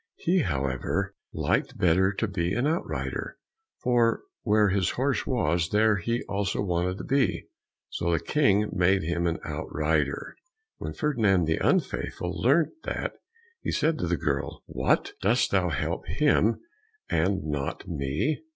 He, however, liked better to be an outrider, for where his horse was, there he also wanted to be, so the King made him an outrider. When Ferdinand the Unfaithful learnt that, he said to the girl, "What! Dost thou help him and not me?"